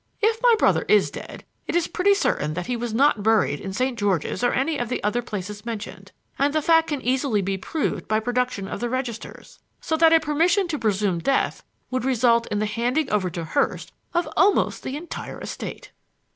"If my brother is dead, it is pretty certain that he is not buried in St. George's or any of the other places mentioned, and the fact can easily be proved by production of the registers. So that a permission to presume death would result in the handing over to Hurst of almost the entire estate."